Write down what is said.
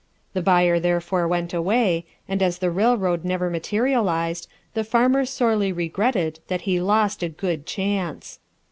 The Buyer therefore went Away, and as the Railroad never Materialized, the Farmer Sorely Regretted that he lost a Good Chance.